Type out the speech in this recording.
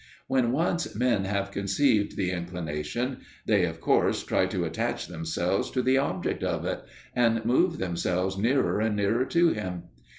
When once men have conceived the inclination, they of course try to attach themselves to the object of it, and move themselves nearer and nearer to him.